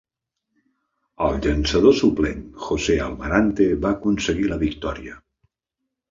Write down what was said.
El llançador suplent Jose Almarante va aconseguir la victòria.